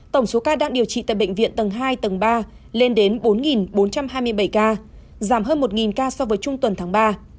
tổng số ca đang điều trị tại bệnh viện tầng hai tầng ba lên đến bốn bốn trăm hai mươi bảy ca giảm hơn một ca so với trung tuần tháng ba